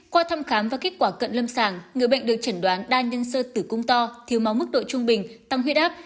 qua thăm khám và kết quả cận lâm sàng người bệnh được chẩn đoán đa nhân sơ tử cung to thiếu máu mức độ trung bình tăng huyết áp